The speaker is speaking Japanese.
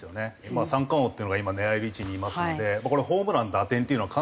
まあ三冠王っていうのが今狙える位置にいますのでこれホームラン打点っていうのはかなりの確率で。